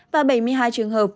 và bảy mươi hai trường hợp